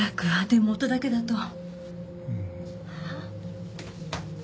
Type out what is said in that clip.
でも音だけだと。